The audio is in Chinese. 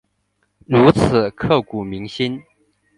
如此刻骨铭心